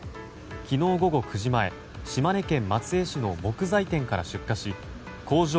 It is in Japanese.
昨日午後９時前、島根県松江市の木材店から出火し工場